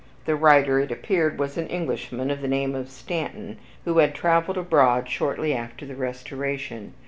The writer, it appeared, was an Englishman of the name of Stanton, who had traveled abroad shortly after the Restoration.